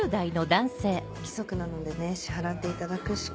規則なのでね支払っていただくしか。